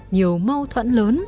nhiều mâu thuẫn lớn